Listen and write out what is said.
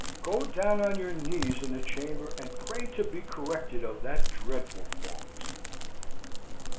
Go down on your knees in your chamber and pray to be corrected of that dreadful fault."